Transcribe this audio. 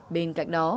bên cạnh đó